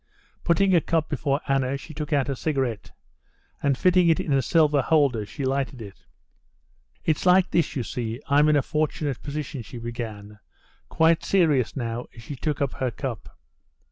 Putting a cup before Anna, she took out a cigarette, and, fitting it into a silver holder, she lighted it. "It's like this, you see: I'm in a fortunate position," she began, quite serious now, as she took up her cup.